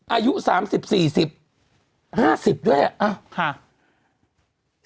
อายุ๓๐๔๐๕๐ด้วยอะ